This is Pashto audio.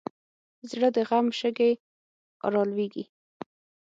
زړه د غم شګې رالوېږي.